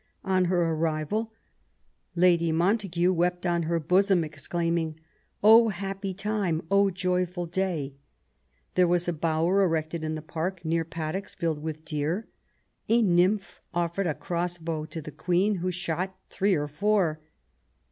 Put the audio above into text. On her arrival, Lady Mon tague wept on her bosom, exclaiming :Oh happy time ! oh joyful day !" There was a bower erected in the park, near paddocks filled with deer. A nymph offered a crossbow to the Queen, who shot three or four.